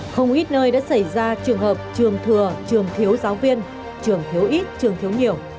không ít nơi đã xảy ra trường hợp trường thừa trường thiếu giáo viên trường thiếu ít trường thiếu nhiều